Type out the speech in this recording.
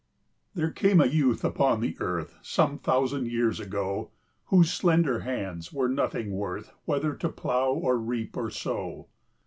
There came a youth upon the earth, Some thousand years ago, Whose slender hands were nothing worth, Whether to plough, or reap, or sow.